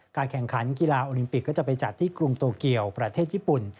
แข่งขันกีฬาโอลิมปิกก็จะไปจัดที่กรุงโตเกียวประเทศญี่ปุ่น